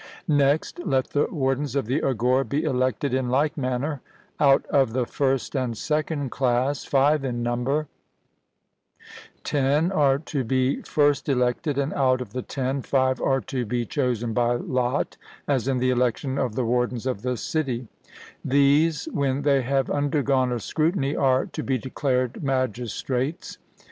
Next, let the wardens of the agora be elected in like manner, out of the first and second class, five in number: ten are to be first elected, and out of the ten five are to be chosen by lot, as in the election of the wardens of the city: these when they have undergone a scrutiny are to be declared magistrates.